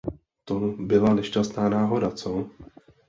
To byla nešťastná náhoda, co?